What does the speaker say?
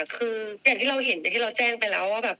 คืออย่างที่เราเห็นอย่างที่เราแจ้งไปแล้วว่าแบบ